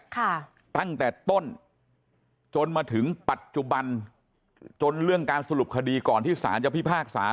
ตั้งแต่ต้นจนมาถึงปัจจุบันจนเรื่องการสรุปคดีก่อนที่ศาลจะพิพากษา